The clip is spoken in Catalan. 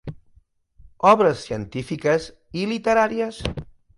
Obres científiques i literàries.